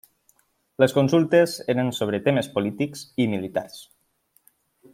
Les consultes eren sobre temes polítics i militars.